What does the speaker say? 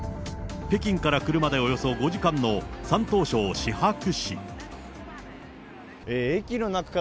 北京から車でおよそ５時間の山東省シハク